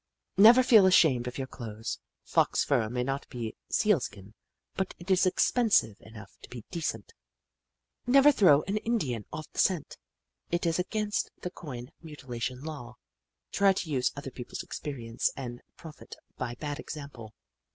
" Never feel ashamed of your clothes. Fox fur may not be Sealskin, but it is expensive enough to be decent. " Never throw an Indian off the scent. It is against the coin mutilation law. " Try to use other people's experience and profit by bad example.